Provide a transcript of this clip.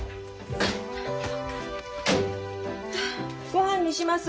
ごはんにします。